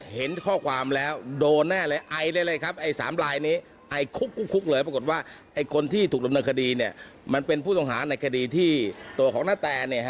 เห็นข้อความแล้วโดนแน่เลยไอได้เลยครับไอ้๓ลายนี้ไอคุกเลยปรากฏว่าไอ้คนที่ถูกดำเนินคดีเนี่ยมันเป็นผู้ต้องหาในคดีที่ตัวของนาแต